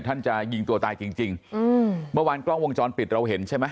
ท่านจะยิงตัวตายจริงจริงอืมเมื่อวานกล้องวงจรปิดเราเห็นใช่ไหม